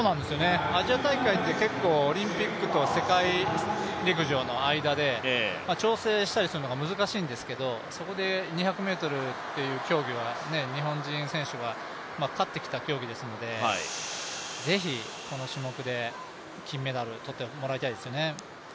アジア大会って結構、オリンピックと世界陸上の間で調整したりするのが難しいんですけどそこで、２００ｍという競技は日本人選手が勝ってきた競技ですので是非、この種目で金メダル、取ってもらいたいですよね。